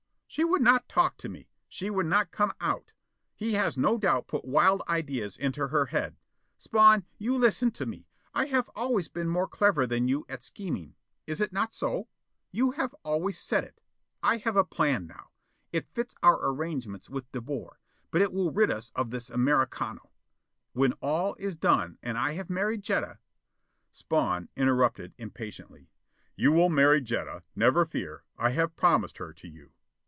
"She would not talk to me. She would not come out. He has no doubt put wild ideas into her head. Spawn, you listen to me. I have always been more clever than you at scheming. Is it not so? You have always said it. I have a plan now, it fits our arrangements with De Boer, but it will rid us of this Americano. When all is done and I have married Jetta "Spawn interrupted impatiently. "You will marry Jetta, never fear. I have promised her to you."